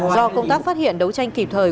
do công tác phát hiện đấu tranh kịp thời